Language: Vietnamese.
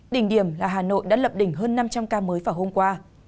đỉnh điểm là hà nội đã lập đỉnh hơn năm trăm linh ca mới vào hôm qua